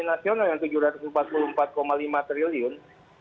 nasional yang rp tujuh ratus empat puluh empat lima triliun